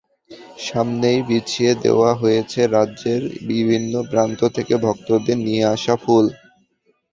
সামনেই বিছিয়ে দেওয়া হয়েছে রাজ্যের বিভিন্ন প্রান্ত থেকে ভক্তদের নিয়ে আসা ফুল।